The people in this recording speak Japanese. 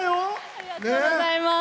ありがとうございます。